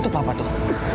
itu papa tuh